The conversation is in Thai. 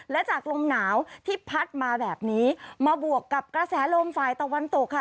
และจากลมหนาวที่พัดมาแบบนี้มาบวกกับกระแสลมฝ่ายตะวันตกค่ะ